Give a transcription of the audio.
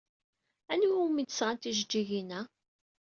Anwa umi d-sɣan tijeǧǧigin-a?